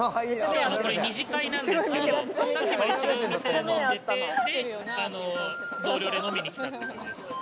２次会なんですけど、さっきまで違う店で飲んでて、同僚で飲みに来たって感じです。